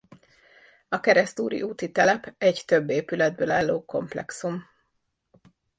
A Keresztúri úti telep egy több épületből álló komplexum.